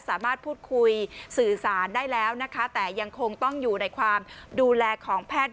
สามารถพูดคุยสื่อสารได้แล้วนะคะแต่ยังคงต้องอยู่ในความดูแลของแพทย์